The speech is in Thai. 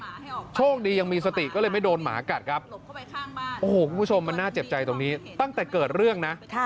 หาลูกชายโชคดียังมีสติก็เลยไม่โดนหมากัดครับโอ้โหคุณผู้ชมมันน่าเจ็บใจตรงนี้ตั้งแต่เกิดเรื่องนะ